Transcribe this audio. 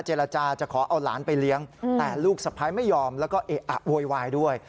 เจรจาจะขอเอาหลานไปเลี้ยงแต่ลูกสะพ้ายไม่ยอมแล้วก็เอะอะโวยวายด้วย